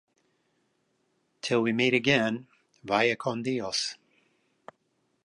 Till we meet again, vaya con Dios.